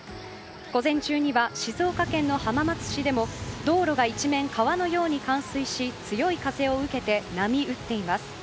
午前中には静岡県の浜松市でも道路が一面川のように冠水し強い風を受けて波打っています。